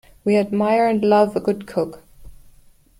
We admire and love a good cook.